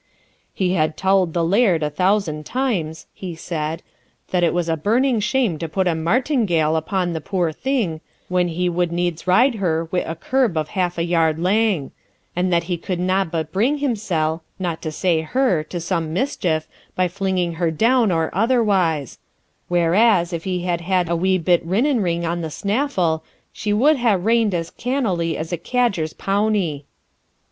'He had tauld the laird a thousand times,' he said, 'that it was a burning shame to put a martingale upon the puir thing, when he would needs ride her wi' a curb of half a yard lang; and that he could na but bring himsell (not to say her) to some mischief, by flinging her down, or otherwise; whereas, if he had had a wee bit rinnin ring on the snaffle, she wad ha' rein'd as cannily as a cadger's pownie.'